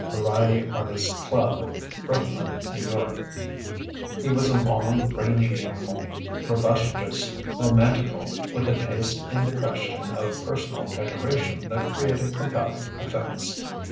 Variety Artists Club Brooklyn New York He was a long, rangy animal, robustious, romantical; with a taste in the question of personal decoration that created compelling effects.